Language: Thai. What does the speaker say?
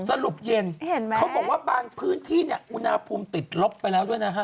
สรุปเย็นเขาบอกว่าบางพื้นที่อุณหภูมิติดลบไปแล้วด้วยนะฮะ